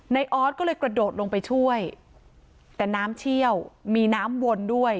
ออสก็เลยกระโดดลงไปช่วยแต่น้ำเชี่ยวมีน้ำวนด้วย